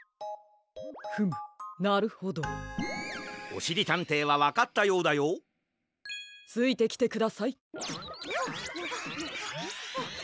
おしりたんていはわかったようだよついてきてください。